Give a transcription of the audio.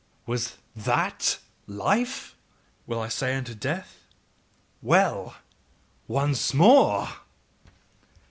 'Was THAT life?' will I say unto death. 'Well! Once more!